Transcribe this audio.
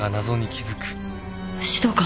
指導官。